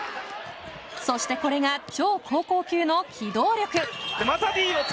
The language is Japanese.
そしてこれが超高校級の機動力。